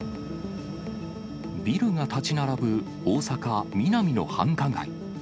ビルが建ち並ぶ大阪・ミナミの繁華街。